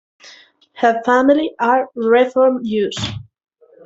Her family are Reform Jews.